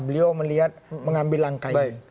beliau melihat mengambil langkah ini